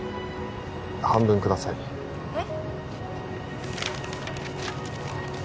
半分くださいえっ？